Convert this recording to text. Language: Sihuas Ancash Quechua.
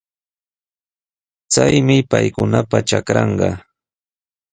Chaymi paykunapa trakranqa.